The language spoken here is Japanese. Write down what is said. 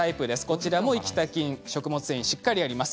こちらも生きた菌食物繊維しっかりあります。